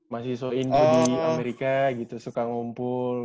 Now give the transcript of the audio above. masih so indo di amerika gitu suka ngumpul